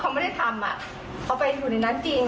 เขาไม่ได้ทำอ่ะเขาไปอยู่ในนั้นจริง